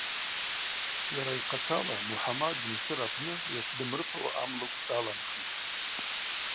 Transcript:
Йара йхъатала Мухӏамад Мсыр апны йатдымрыпауа амлыкв даланхитӏ.